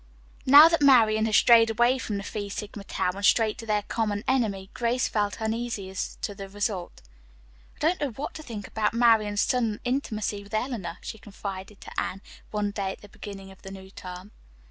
Now that Marian had strayed away from the Phi Sigma Tau and straight to their common enemy, Grace felt uneasy as to the result. "I don't know what to think about Marian's sudden intimacy with Eleanor," she confided to Anne, one day at the beginning of the new term.